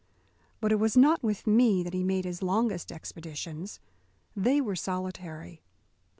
But it was not with me that he made his longest expeditions. They were solitary.